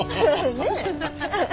ねえ？